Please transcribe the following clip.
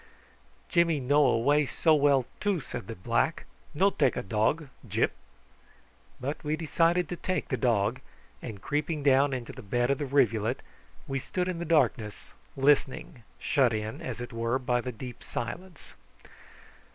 "Jimmy know a way so well, too!" said the black. "No take a dog Gyp!" But we decided to take the dog, and creeping down into the bed of the rivulet we stood in the darkness listening, shut in, as it were, by the deep silence.